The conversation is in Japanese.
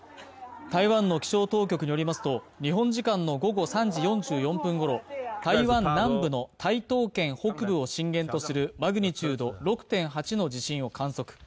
台湾の気象当局によりますと、日本時間の午後３時４４分ごろ、台湾南部の台東県北部を震源とするマグニチュード６．８の地震を観測。